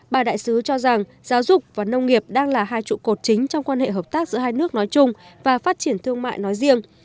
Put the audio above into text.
bà đại sứ cho rằng giáo dục và nông nghiệp đang là hai trụ cột chính trong quan hệ hợp tác giữa hai nước nói chung và phát triển thương mại nói riêng